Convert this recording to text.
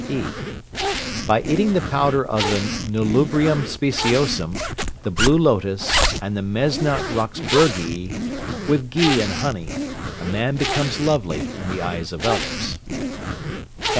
(e). By eating the powder of the nelumbrium speciosum, the blue lotus, and the mesna roxburghii, with ghee and honey, a man becomes lovely in the eyes of others.